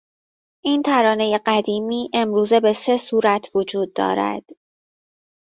این ترانهی قدیمی امروزه به سه صورت وجود دارد.